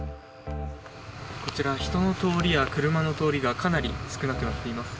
こちら、人の通りや車の通りはかなり少なくなっています。